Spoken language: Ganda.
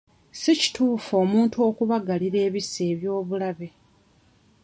Si kituufu omuntu okubagalira ebissi eby'obulabe.